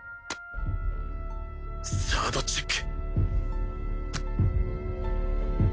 サードチェック！